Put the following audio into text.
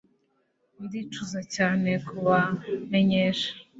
Ndicuza cyane kubamenyesha